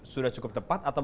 sudah cukup tepat atau